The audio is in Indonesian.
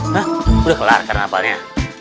hah udah kelar karena apalnya